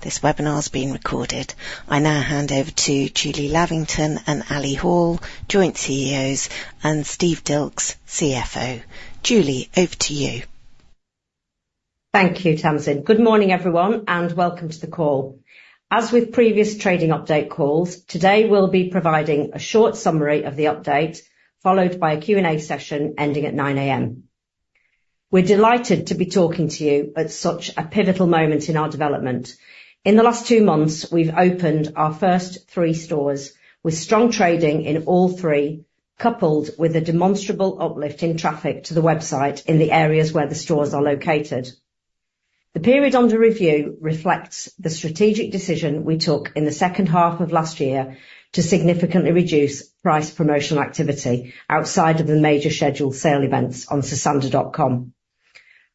This webinar is being recorded. I now hand over to Julie Lavington and Ali Hall, Joint CEOs, and Steve Dilks, CFO. Julie, over to you. Thank you, Tamsin. Good morning, everyone, and welcome to the call. As with previous trading update calls, today we'll be providing a short summary of the update, followed by a Q&A session ending at 9:00 A.M. We're delighted to be talking to you at such a pivotal moment in our development. In the last two months, we've opened our first three stores, with strong trading in all three, coupled with a demonstrable uplift in traffic to the website in the areas where the stores are located. The period under review reflects the strategic decision we took in the second half of last year to significantly reduce price promotional activity outside of the major scheduled sale events on Sosandar.com.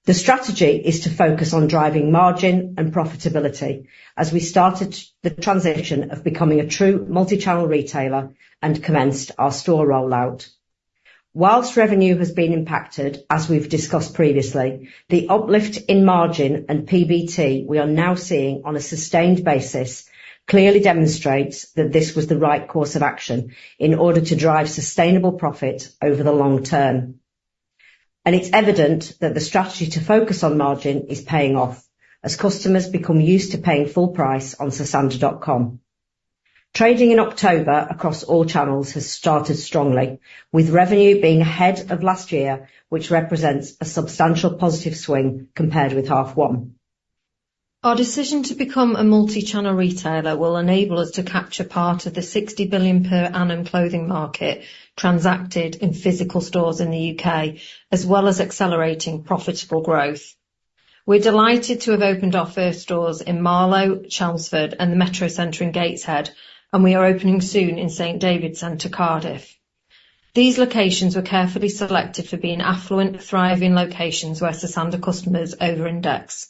The strategy is to focus on driving margin and profitability as we started the transition of becoming a true multichannel retailer and commenced our store rollout. While revenue has been impacted, as we've discussed previously, the uplift in margin and PBT we are now seeing on a sustained basis clearly demonstrates that this was the right course of action in order to drive sustainable profit over the long term, and it's evident that the strategy to focus on margin is paying off as customers become used to paying full price on Sosandar.com. Trading in October across all channels has started strongly, with revenue being ahead of last year, which represents a substantial positive swing compared with H1. Our decision to become a multichannel retailer will enable us to capture part of the 60 billion per annum clothing market transacted in physical stores in the UK, as well as accelerating profitable growth. We're delighted to have opened our first stores in Marlow, Chelmsford, and the Metrocentre in Gateshead, and we are opening soon in St David's Centre, Cardiff. These locations were carefully selected for being affluent, thriving locations where Sosandar customers over index.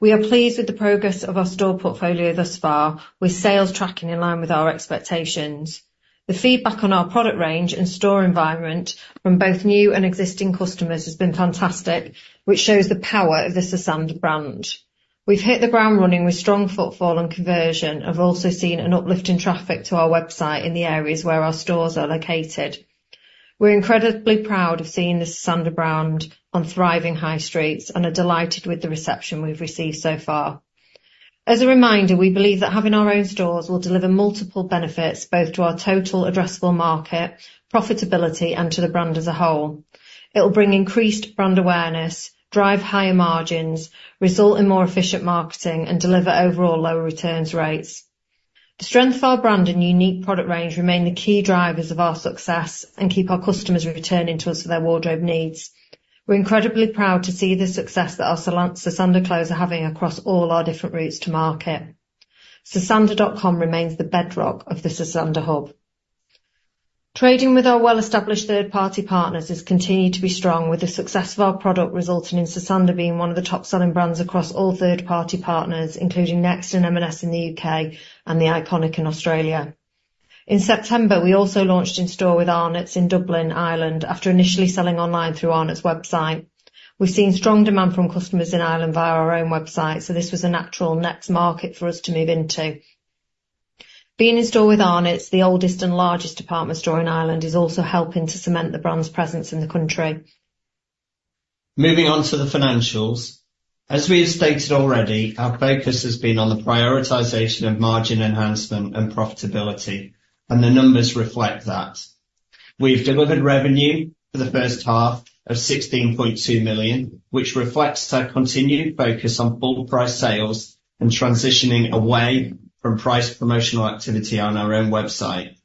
We are pleased with the progress of our store portfolio thus far, with sales tracking in line with our expectations. The feedback on our product range and store environment from both new and existing customers has been fantastic, which shows the power of the Sosandar brand. We've hit the ground running with strong footfall and conversion, and have also seen an uplift in traffic to our website in the areas where our stores are located. We're incredibly proud of seeing the Sosandar brand on thriving high streets and are delighted with the reception we've received so far. As a reminder, we believe that having our own stores will deliver multiple benefits, both to our total addressable market, profitability, and to the brand as a whole. It will bring increased brand awareness, drive higher margins, result in more efficient marketing, and deliver overall lower returns rates. The strength of our brand and unique product range remain the key drivers of our success and keep our customers returning to us for their wardrobe needs. We're incredibly proud to see the success that our Sosandar clothes are having across all our different routes to market. Sosandar.com remains the bedrock of the Sosandar hub. Trading with our well-established third-party partners has continued to be strong, with the success of our product resulting in Sosandar being one of the top selling brands across all third-party partners, including Next and M&S in the UK and The Iconic in Australia. In September, we also launched in-store with Arnotts in Dublin, Ireland, after initially selling online through Arnotts website. We've seen strong demand from customers in Ireland via our own website, so this was a natural next market for us to move into. Being in store with Arnotts, the oldest and largest department store in Ireland, is also helping to cement the brand's presence in the country. Moving on to the financials. As we have stated already, our focus has been on the prioritization of margin enhancement and profitability, and the numbers reflect that. We've delivered revenue for the first half of 16.2 million, which reflects our continued focus on full price sales and transitioning away from price promotional activity on our own website.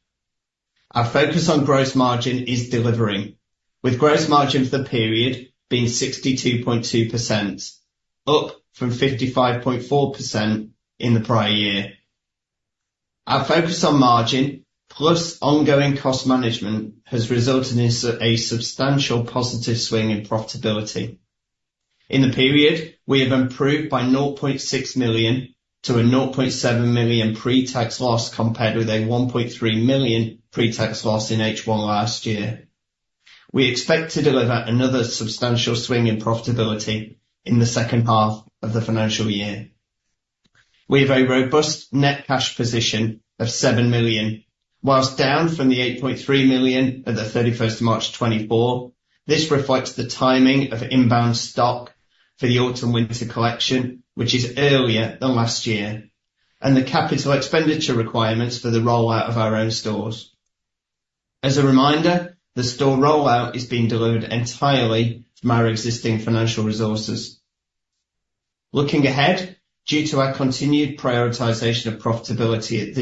Our focus on gross margin is delivering, with gross margin for the period being 62.2%, up from 55.4% in the prior year. Our focus on margin, plus ongoing cost management, has resulted in a substantial positive swing in profitability. In the period, we have improved by 0.6 million to a 0.7 million pre-tax loss, compared with a 1.3 million pre-tax loss in H1 last year. We expect to deliver another substantial swing in profitability in the second half of the financial year. We have a robust net cash position of 7 million. While down from the 8.3 million at the thirty-first of March 2024, this reflects the timing of inbound stock for the autumn/winter collection, which is earlier than last year, and the capital expenditure requirements for the rollout of our own stores. As a reminder, the store rollout is being delivered entirely from our existing financial resources. Looking ahead, due to our continued prioritization of profitability at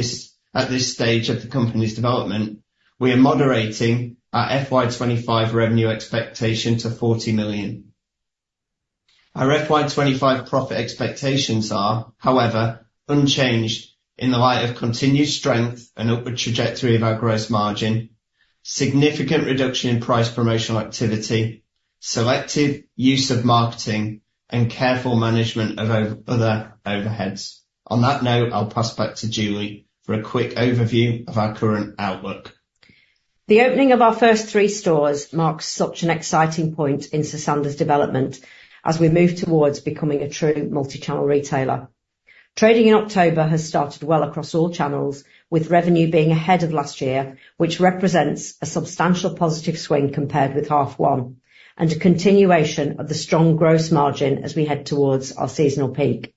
this stage of the company's development, we are moderating our FY25 revenue expectation to 40 million. Our FY25 profit expectations are, however, unchanged in the light of continued strength and upward trajectory of our gross margin, significant reduction in price promotional activity, selective use of marketing, and careful management of other overheads. On that note, I'll pass back to Julie for a quick overview of our current outlook. The opening of our first three stores marks such an exciting point in Sosandar development as we move towards becoming a true multi-channel retailer. Trading in October has started well across all channels, with revenue being ahead of last year, which represents a substantial positive swing compared with H1, and a continuation of the strong gross margin as we head towards our seasonal peak.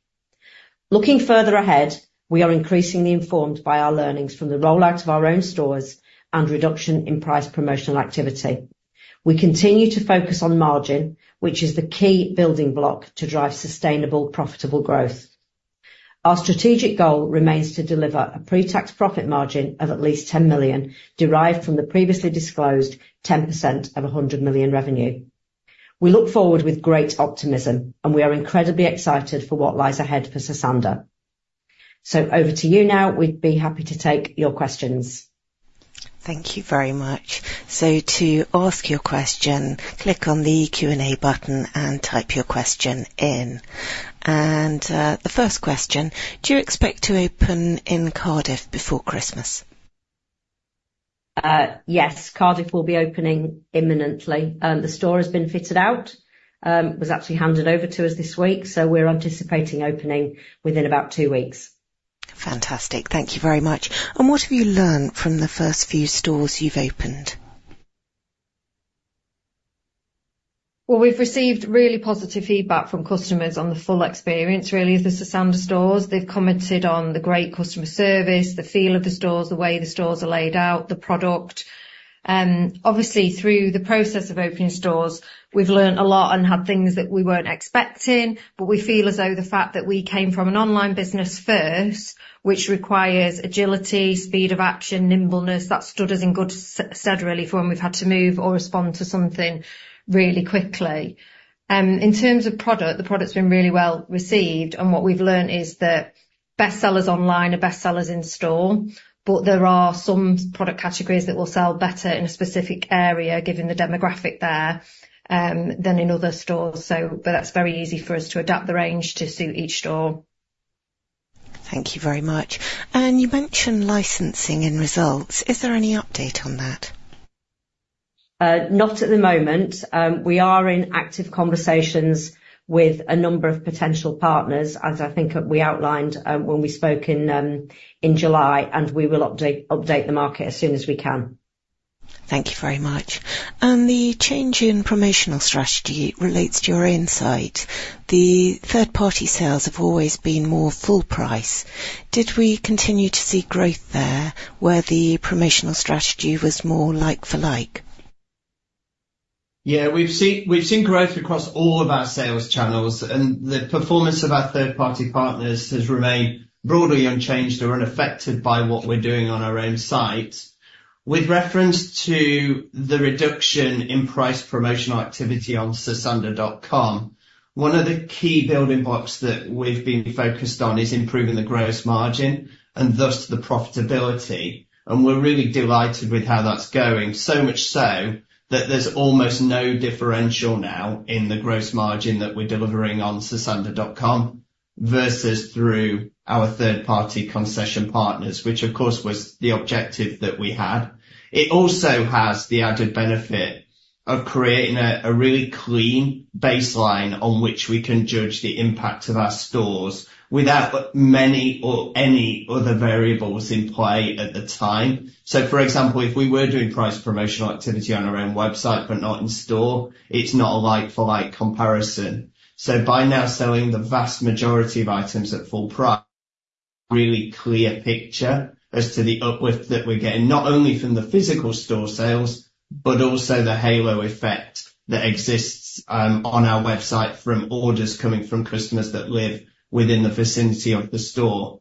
Looking further ahead, we are increasingly informed by our learnings from the rollout of our own stores and reduction in price promotional activity. We continue to focus on margin, which is the key building block to drive sustainable, profitable growth. Our strategic goal remains to deliver a pre-tax profit margin of at least 10 million, derived from the previously disclosed 10% of 100 million revenue. We look forward with great optimism, and we are incredibly excited for what lies ahead for Sosandar. So over to you now. We'd be happy to take your questions. Thank you very much. So to ask your question, click on the Q&A button and type your question in. And, the first question: Do you expect to open in Cardiff before Christmas? Yes, Cardiff will be opening imminently. The store has been fitted out, was actually handed over to us this week, so we're anticipating opening within about two weeks. Fantastic. Thank you very much. And what have you learned from the first few stores you've opened? We've received really positive feedback from customers on the full experience, really, of the Sosandar stores. They've commented on the great customer service, the feel of the stores, the way the stores are laid out, the product. Obviously, through the process of opening stores, we've learned a lot and had things that we weren't expecting, but we feel as though the fact that we came from an online business first, which requires agility, speed of action, nimbleness, that stood us in good stead, really, for when we've had to move or respond to something really quickly. In terms of product, the product's been really well received, and what we've learned is that bestsellers online are bestsellers in store, but there are some product categories that will sell better in a specific area, given the demographic there, than in other stores. So, but that's very easy for us to adapt the range to suit each store. Thank you very much. And you mentioned licensing in results. Is there any update on that? Not at the moment. We are in active conversations with a number of potential partners, as I think that we outlined, when we spoke in July, and we will update the market as soon as we can. Thank you very much, and the change in promotional strategy relates to your insight. The third-party sales have always been more full price. Did we continue to see growth there, where the promotional strategy was more like for like? Yeah, we've seen growth across all of our sales channels, and the performance of our third-party partners has remained broadly unchanged or unaffected by what we're doing on our own site. With reference to the reduction in price promotional activity on Sosandar.com, one of the key building blocks that we've been focused on is improving the gross margin and thus the profitability, and we're really delighted with how that's going. So much so, that there's almost no differential now in the gross margin that we're delivering on Sosandar.com versus through our third-party concession partners, which of course, was the objective that we had. It also has the added benefit of creating a really clean baseline on which we can judge the impact of our stores without many or any other variables in play at the time. So, for example, if we were doing price promotional activity on our own website, but not in store, it's not a like-for-like comparison. So by now selling the vast majority of items at full price, really clear picture as to the uplift that we're getting, not only from the physical store sales, but also the halo effect that exists, on our website from orders coming from customers that live within the vicinity of the store.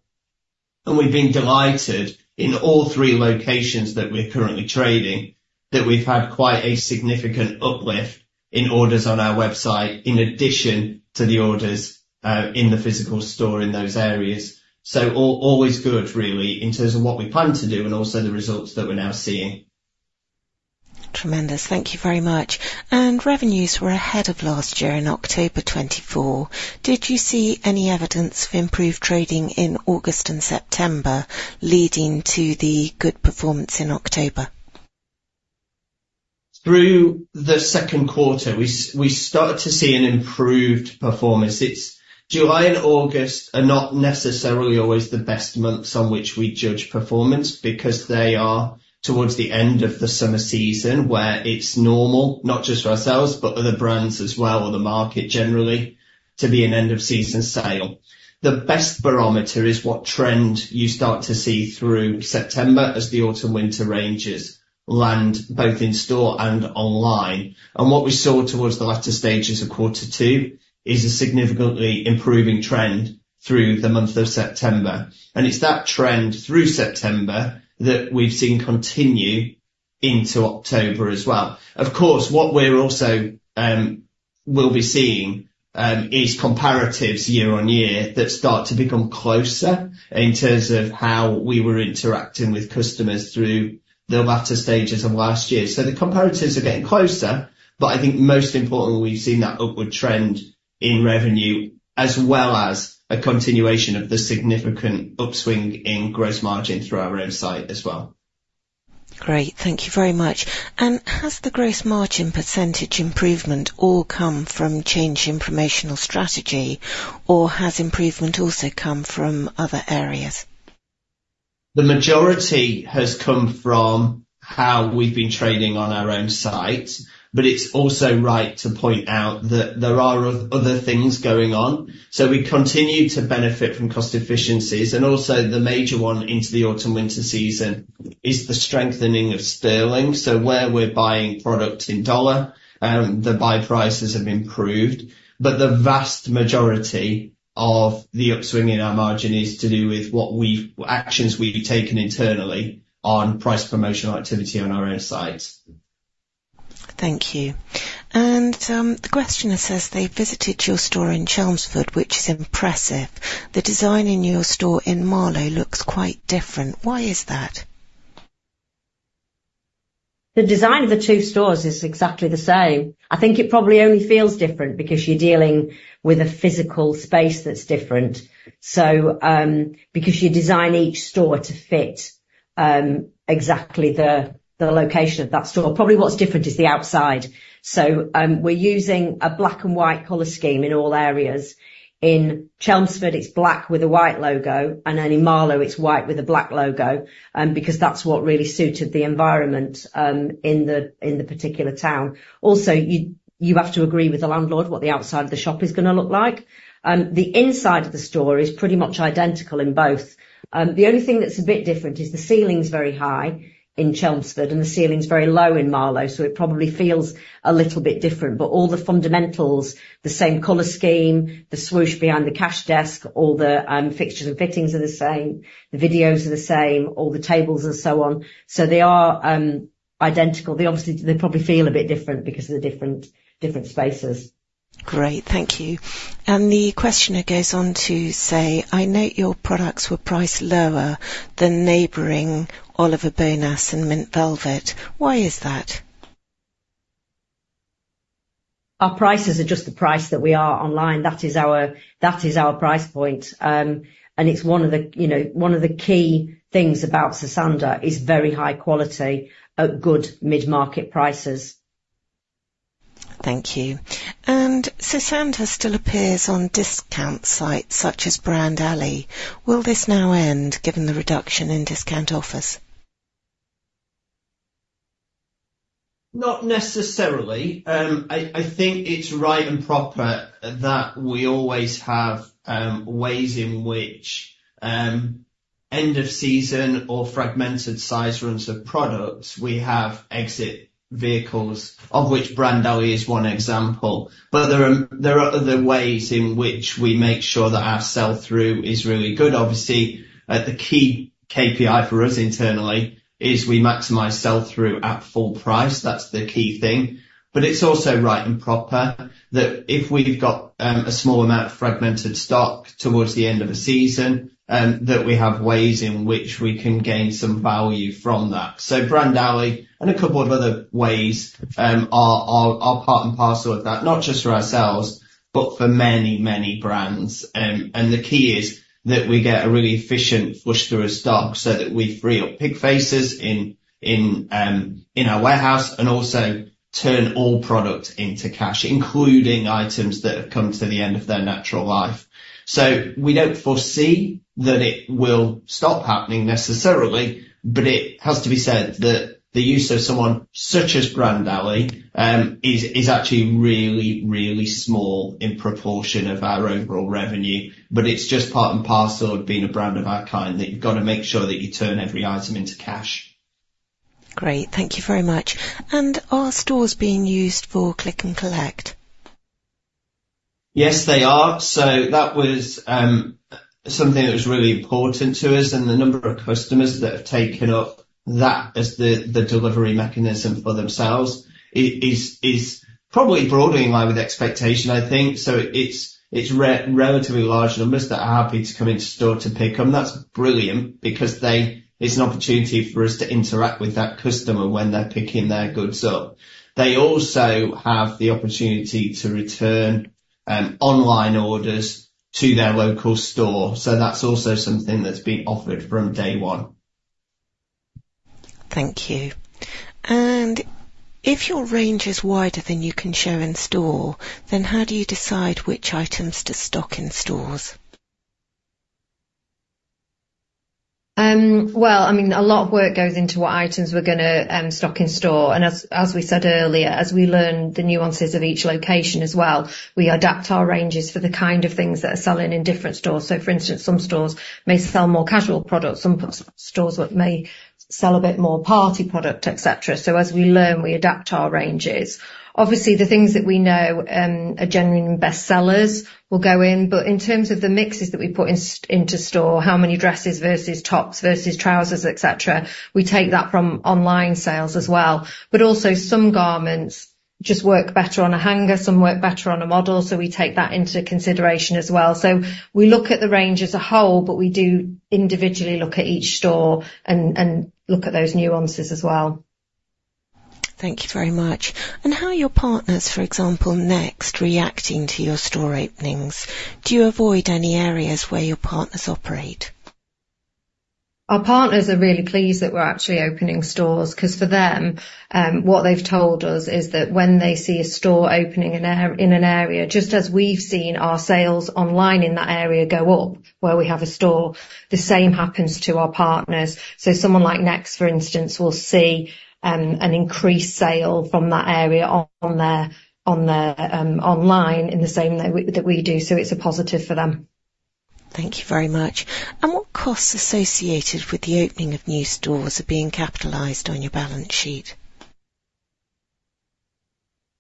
And we've been delighted, in all three locations that we're currently trading, that we've had quite a significant uplift in orders on our website, in addition to the orders, in the physical store in those areas. So always good, really, in terms of what we plan to do and also the results that we're now seeing. Tremendous. Thank you very much, and revenues were ahead of last year in October 2024. Did you see any evidence of improved trading in August and September leading to the good performance in October? Through the second quarter, we started to see an improved performance. It's... July and August are not necessarily always the best months on which we judge performance, because they are towards the end of the summer season, where it's normal, not just for ourselves, but other brands as well, or the market generally, to be an end of season sale. The best barometer is what trend you start to see through September as the autumn/winter ranges land, both in store and online, and what we saw towards the latter stages of quarter two is a significantly improving trend through the month of September, and it's that trend through September that we've seen continue into October as well. Of course, what we're also will be seeing is comparatives year on year, that start to become closer in terms of how we were interacting with customers through the latter stages of last year. So the comparatives are getting closer, but I think most importantly, we've seen that upward trend in revenue, as well as a continuation of the significant upswing in gross margin through our own site as well. Great. Thank you very much. And has the gross margin percentage improvement all come from change in promotional strategy, or has improvement also come from other areas? The majority has come from how we've been trading on our own site, but it's also right to point out that there are other things going on. So we continue to benefit from cost efficiencies, and also the major one into the autumn/winter season is the strengthening of sterling. So where we're buying product in dollar, the buy prices have improved, but the vast majority of the upswing in our margin is to do with actions we've taken internally on price promotional activity on our own site. Thank you. The questioner says they visited your store in Chelmsford, which is impressive. The design in your store in Marlow looks quite different. Why is that? The design of the two stores is exactly the same. I think it probably only feels different because you're dealing with a physical space that's different, so because you design each store to fit exactly the location of that store. Probably what's different is the outside, so we're using a black and white color scheme in all areas. In Chelmsford, it's black with a white logo, and then in Marlow, it's white with a black logo because that's what really suited the environment in the particular town. Also, you have to agree with the landlord what the outside of the shop is gonna look like. The inside of the store is pretty much identical in both. The only thing that's a bit different is the ceiling's very high in Chelmsford, and the ceiling's very low in Marlow, so it probably feels a little bit different. But all the fundamentals, the same color scheme, the swoosh behind the cash desk, all the fixtures and fittings are the same, the videos are the same, all the tables and so on. So they are identical. They probably feel a bit different because of the different spaces. Great. Thank you. And the questioner goes on to say: "I note your products were priced lower than neighboring Oliver Bonas and Mint Velvet. Why is that? Our prices are just the price that we are online. That is our, that is our price point. And it's one of the, you know, one of the key things about Sosandar is very high quality at good mid-market prices. Thank you. And Sosandar still appears on discount sites such as BrandAlley. Will this now end, given the reduction in discount offers? Not necessarily. I think it's right and proper that we always have ways in which end of season or fragmented size runs of products, we have exit vehicles, of which BrandAlley is one example, but there are other ways in which we make sure that our sell-through is really good. Obviously, the key KPI for us internally is we maximize sell-through at full price. That's the key thing. But it's also right and proper that if we've got a small amount of fragmented stock towards the end of a season, that we have ways in which we can gain some value from that. So BrandAlley and a couple of other ways are part and parcel of that, not just for ourselves, but for many, many brands. And the key is that we get a really efficient push-through of stock so that we free up pick faces in our warehouse and also turn all product into cash, including items that have come to the end of their natural life. So we don't foresee that it will stop happening necessarily, but it has to be said that the use of someone such as BrandAlley is actually really, really small in proportion of our overall revenue, but it's just part and parcel of being a brand of our kind, that you've got to make sure that you turn every item into cash. Great. Thank you very much. And are stores being used for click and collect? Yes, they are. So that was something that was really important to us, and the number of customers that have taken up that as the delivery mechanism for themselves is probably broadly in line with expectation, I think. So it's relatively large numbers that are happy to come into store to pick up, and that's brilliant because they... It's an opportunity for us to interact with that customer when they're picking their goods up. They also have the opportunity to return online orders to their local store, so that's also something that's been offered from day one. Thank you. And if your range is wider than you can show in store, then how do you decide which items to stock in stores? Well, I mean, a lot of work goes into what items we're gonna stock in store, and as we said earlier, as we learn the nuances of each location as well, we adapt our ranges for the kind of things that are selling in different stores. So, for instance, some stores may sell more casual products, some stores may sell a bit more party product, et cetera. So as we learn, we adapt our ranges. Obviously, the things that we know are genuinely bestsellers will go in, but in terms of the mixes that we put into store, how many dresses versus tops versus trousers, et cetera, we take that from online sales as well. But also, some garments just work better on a hanger, some work better on a model, so we take that into consideration as well. So we look at the range as a whole, but we do individually look at each store and look at those nuances as well. Thank you very much, and how are your partners, for example, Next, reacting to your store openings? Do you avoid any areas where your partners operate? Our partners are really pleased that we're actually opening stores, 'cause for them, what they've told us is that when they see a store opening in an area, just as we've seen our sales online in that area go up where we have a store, the same happens to our partners. So someone like Next, for instance, will see an increased sale from that area on their online in the same way that we do. So it's a positive for them. Thank you very much. And what costs associated with the opening of new stores are being capitalized on your balance sheet?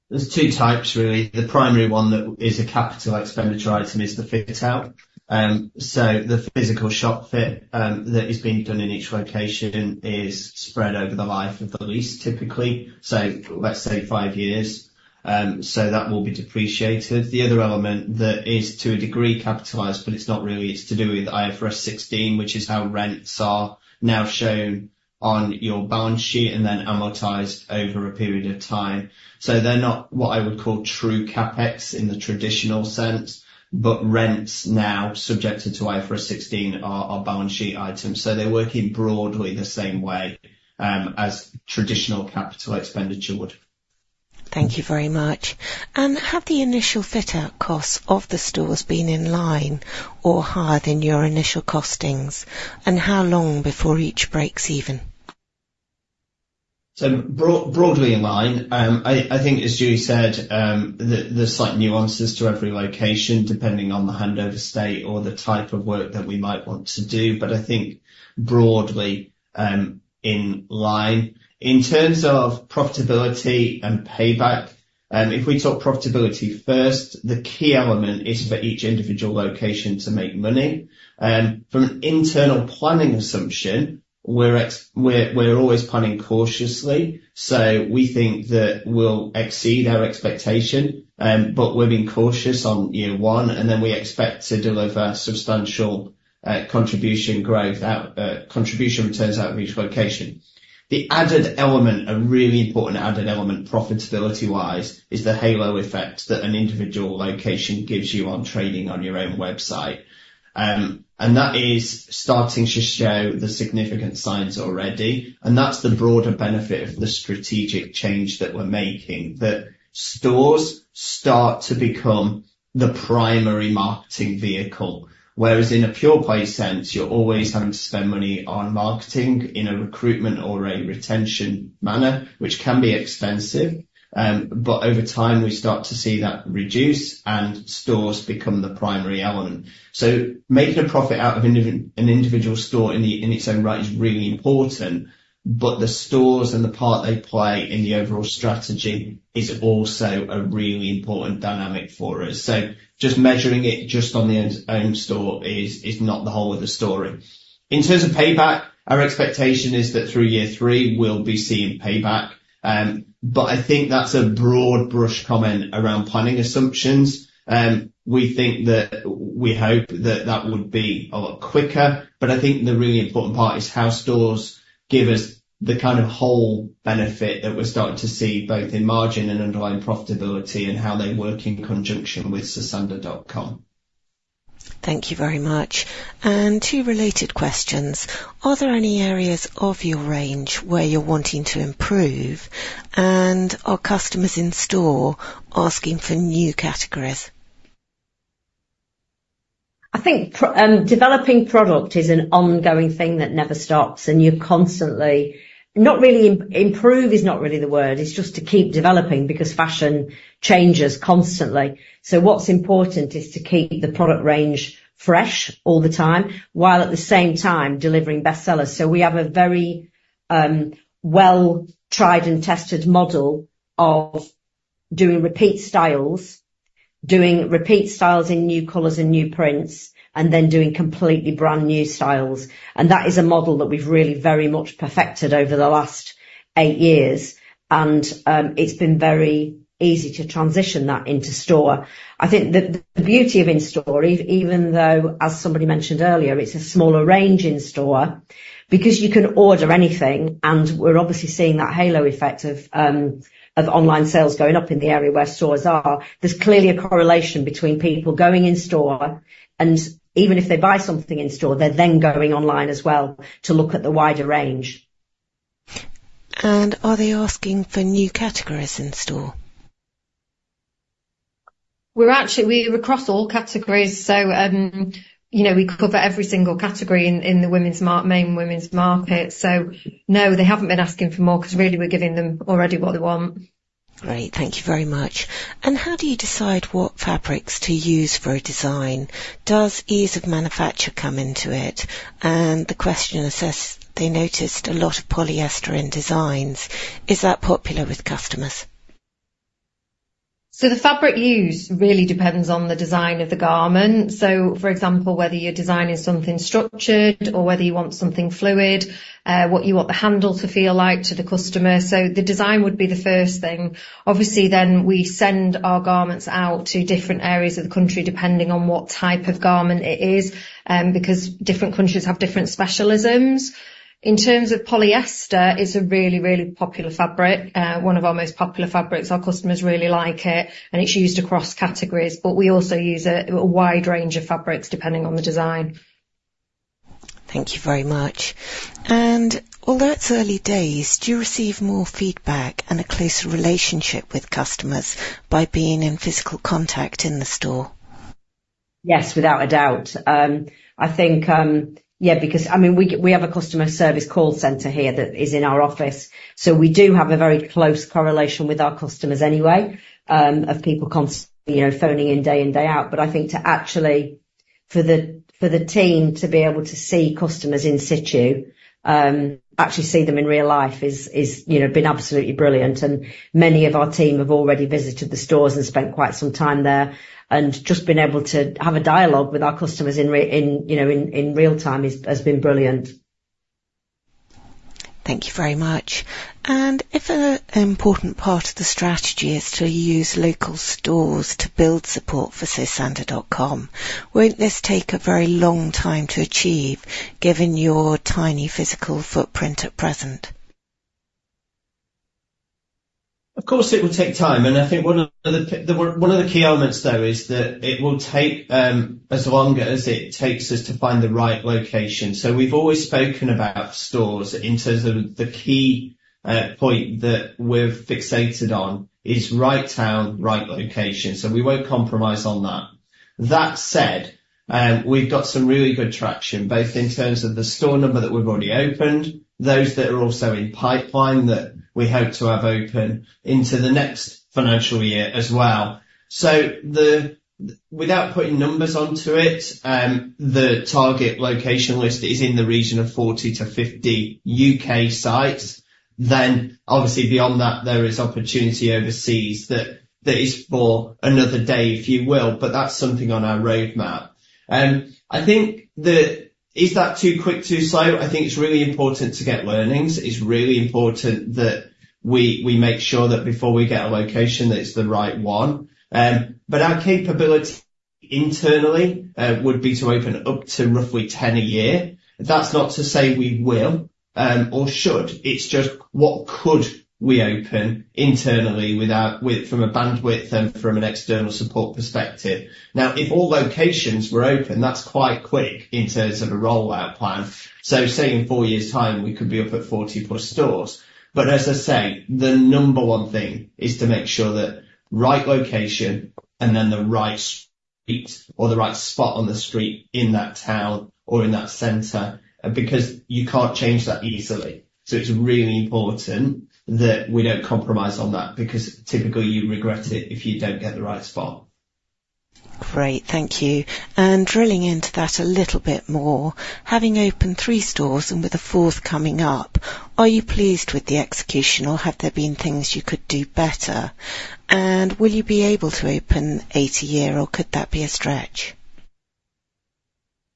There's two types, really. The primary one that is a capital expenditure item is the fit out. So the physical shop fit that is being done in each location is spread over the life of the lease, typically, so let's say five years. So that will be depreciated. The other element that is, to a degree, capitalized, but it's not really, it's to do with IFRS 16, which is how rents are now shown on your balance sheet and then amortized over a period of time. So they're not what I would call true CapEx in the traditional sense, but rents now subjected to IFRS 16 are balance sheet items, so they're working broadly the same way as traditional capital expenditure would. Thank you very much. And have the initial fit-out costs of the stores been in line or higher than your initial costings? And how long before each breaks even? Broadly in line. I think, as Julie said, there's slight nuances to every location, depending on the handover state or the type of work that we might want to do, but I think broadly in line. In terms of profitability and payback, if we talk profitability first, the key element is for each individual location to make money. From an internal planning assumption, we're always planning cautiously, so we think that we'll exceed our expectation, but we're being cautious on year one, and then we expect to deliver substantial contribution returns out of each location. The added element, a really important added element, profitability-wise, is the halo effect that an individual location gives you on trading on your own website. And that is starting to show the significant signs already, and that's the broader benefit of the strategic change that we're making, that stores start to become the primary marketing vehicle, whereas in a pure play sense, you're always having to spend money on marketing in a recruitment or a retention manner, which can be expensive. But over time, we start to see that reduce, and stores become the primary element. So making a profit out of an individual store in its own right is really important, but the stores and the part they play in the overall strategy is also a really important dynamic for us. So just measuring it just on the own store is not the whole of the story. In terms of payback, our expectation is that through year three, we'll be seeing payback. But I think that's a broad brush comment around planning assumptions, and we think that... We hope that that would be a lot quicker, but I think the really important part is how stores give us the kind of whole benefit that we're starting to see, both in margin and underlying profitability and how they work in conjunction with Sosandar.com. Thank you very much. And two related questions: Are there any areas of your range where you're wanting to improve, and are customers in store asking for new categories? I think developing product is an ongoing thing that never stops, and you're constantly not really. Improve is not really the word. It's just to keep developing because fashion changes constantly, so what's important is to keep the product range fresh all the time, while at the same time delivering bestsellers, so we have a very well tried and tested model of doing repeat styles, doing repeat styles in new colors and new prints, and then doing completely brand-new styles, and that is a model that we've really very much perfected over the last eight years, and it's been very easy to transition that into store. I think the beauty of in-store, even though, as somebody mentioned earlier, it's a smaller range in store, because you can order anything, and we're obviously seeing that halo effect of online sales going up in the area where stores are, there's clearly a correlation between people going in store, and even if they buy something in store, they're then going online as well to look at the wider range. Are they asking for new categories in store? We're across all categories, so, you know, we cover every single category in the main women's market. So no, they haven't been asking for more, 'cause really, we're giving them already what they want. Great. Thank you very much. And how do you decide what fabrics to use for a design? Does ease of manufacture come into it? And the question says they noticed a lot of polyester in designs. Is that popular with customers? So the fabric used really depends on the design of the garment. So, for example, whether you're designing something structured or whether you want something fluid, what you want the handle to feel like to the customer, so the design would be the first thing. Obviously, then, we send our garments out to different areas of the country, depending on what type of garment it is, because different countries have different specialisms. In terms of polyester, it's a really, really popular fabric, one of our most popular fabrics. Our customers really like it, and it's used across categories, but we also use a wide range of fabrics, depending on the design. Thank you very much. And although it's early days, do you receive more feedback and a closer relationship with customers by being in physical contact in the store? Yes, without a doubt. I think, yeah, because, I mean, we have a customer service call center here that is in our office, so we do have a very close correlation with our customers anyway, of people constantly, you know, phoning in day in, day out. But I think to actually, for the team to be able to see customers in situ, actually see them in real life, is, you know, been absolutely brilliant, and many of our team have already visited the stores and spent quite some time there. And just being able to have a dialogue with our customers in real time is, has been brilliant. Thank you very much. And if an important part of the strategy is to use local stores to build support for Sosandar.com, won't this take a very long time to achieve, given your tiny physical footprint at present? Of course, it will take time, and I think one of the key elements, though, is that it will take as long as it takes us to find the right location. So we've always spoken about stores in terms of the key point that we've fixated on, is right town, right location, so we won't compromise on that. That said, we've got some really good traction, both in terms of the store number that we've already opened, those that are also in pipeline that we hope to have open into the next financial year as well. Without putting numbers onto it, the target location list is in the region of 40 to 50 U.K. sites. Then, obviously, beyond that, there is opportunity overseas that is for another day, if you will, but that's something on our roadmap. I think that, is that too quick, too slow? I think it's really important to get learnings. It's really important that we make sure that before we get a location, that it's the right one. But our capability internally would be to open up to roughly 10 a year. That's not to say we will or should. It's just what could we open internally without with from a bandwidth and from an external support perspective? Now, if all locations were open, that's quite quick in terms of a rollout plan. So say in four years' time, we could be up at 40-plus stores, but as I say, the number one thing is to make sure that right location and then the right street or the right spot on the street in that town or in that center, because you can't change that easily. So it's really important that we don't compromise on that, because typically, you regret it if you don't get the right spot. Great. Thank you. And drilling into that a little bit more, having opened three stores and with a fourth coming up, are you pleased with the execution, or have there been things you could do better? And will you be able to open eight a year, or could that be a stretch?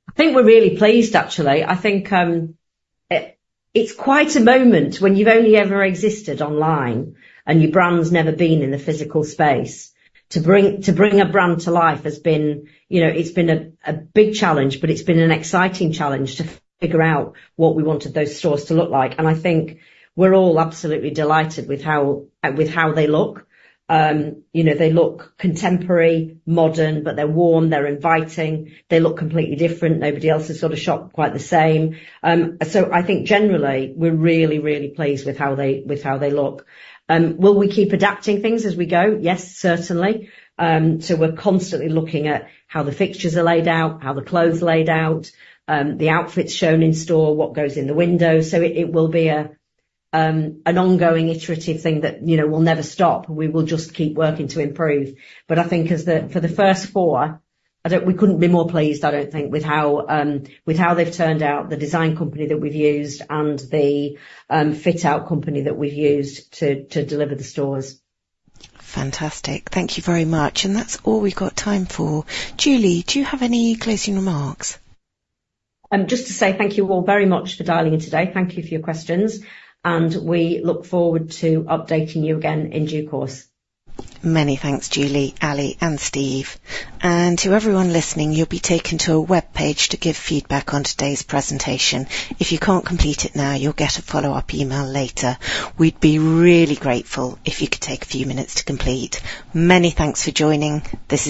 I think we're really pleased, actually. I think it's quite a moment when you've only ever existed online, and your brand's never been in the physical space. To bring a brand to life has been, you know, it's been a big challenge, but it's been an exciting challenge to figure out what we wanted those stores to look like, and I think we're all absolutely delighted with how, with how they look. You know, they look contemporary, modern, but they're warm, they're inviting. They look completely different. Nobody else has got a shop quite the same. So I think generally, we're really, really pleased with how they, with how they look. Will we keep adapting things as we go? Yes, certainly. So we're constantly looking at how the fixtures are laid out, how the clothes are laid out, the outfits shown in store, what goes in the window, so it will be an ongoing, iterative thing that, you know, will never stop. We will just keep working to improve. But I think as the, for the first four, we couldn't be more pleased, I don't think, with how, with how they've turned out, the design company that we've used, and the, fit-out company that we've used to deliver the stores. Fantastic. Thank you very much, and that's all we've got time for. Julie, do you have any closing remarks? Just to say thank you all very much for dialing in today. Thank you for your questions, and we look forward to updating you again in due course. Many thanks, Julie, Ali, and Steve. To everyone listening, you'll be taken to a webpage to give feedback on today's presentation. If you can't complete it now, you'll get a follow-up email later. We'd be really grateful if you could take a few minutes to complete. Many thanks for joining this-